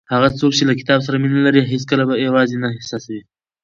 هغه څوک چې له کتاب سره مینه لري هیڅکله ځان یوازې نه احساسوي.